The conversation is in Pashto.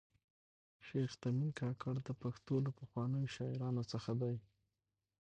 شېخ تیمن کاکړ د پښتو له پخوانیو شاعرانو څخه دﺉ.